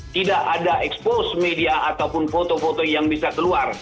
tidak ada expose media ataupun foto foto yang bisa keluar